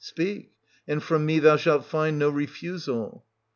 Speak, and from me thou shalt find no refusal.